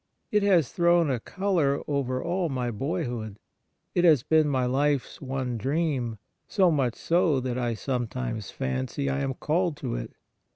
It has thrown a colour over all my boyhood ; it has been my hfe's one dream, so much so that I sometimes fancy I am called to it.